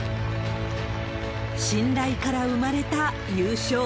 信頼から生まれた優勝。